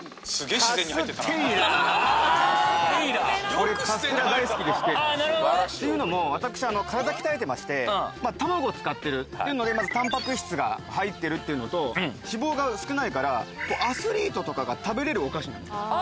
俺カステラ大好きでしてあなるほどね！っていうのも私まあ卵を使ってるっていうのでまずたんぱく質が入ってるっていうのと脂肪が少ないからアスリートとかが食べれるお菓子なのあ！